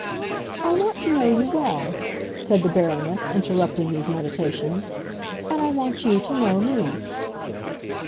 "I want to know you well," said the Baroness, interrupting these meditations, "and I want you to know me."